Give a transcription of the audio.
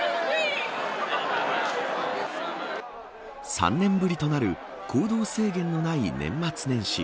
３年ぶりとなる行動制限のない年末年始。